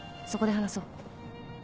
そこで話そう。